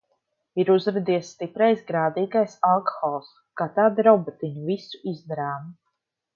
Ir uzradies stiprais grādīgais alkohols. Kā tādi robotiņi visu izdarām.